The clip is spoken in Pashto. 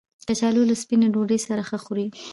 کچالو له سپینې ډوډۍ سره ښه خوري